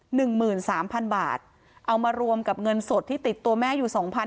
หนึ่งหมื่นสามพันบาทเอามารวมกับเงินสดที่ติดตัวแม่อยู่สองพัน